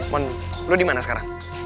mon lo dimana sekarang